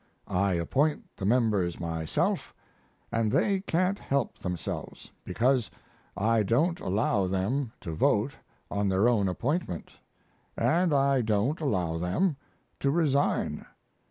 I appoint the members myself, & they can't help themselves, because I don't allow them to vote on their own appointment & I don't allow them to resign!